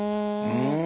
うん。